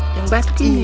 yang batu ini